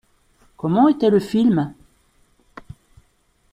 Comment était le film ?